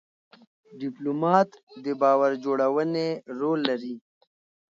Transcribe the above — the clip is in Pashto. ډيپلومات د باور جوړونې رول لري.